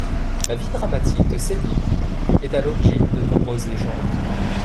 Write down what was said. La vie dramatique de Senhime est à l'origine de nombreuses légendes.